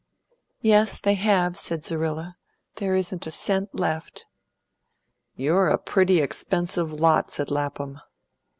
"Yes, they have," said Zerrilla; "there isn't a cent left." "You're a pretty expensive lot," said Lapham.